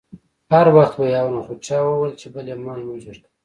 هر وخت به یې اورم خو چا وویل چې بل امام لمونځ ورکوي.